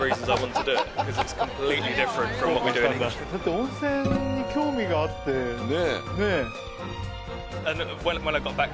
温泉に興味があってね。